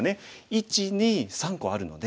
１２３個あるので。